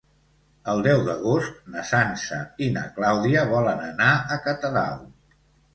El deu d'agost na Sança i na Clàudia volen anar a Catadau.